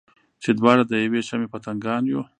چې دواړه د یوې شمعې پتنګان یو.